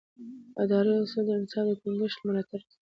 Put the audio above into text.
اداري اصول د انصاف د ټینګښت ملاتړ کوي.